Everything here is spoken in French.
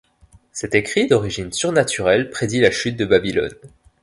Cet écrit d'origine surnaturelle prédit la chute de Babylone.